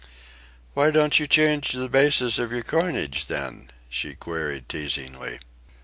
"Why don't you change the basis of your coinage, then?" she queried teasingly.